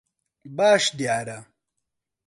باش دیارە.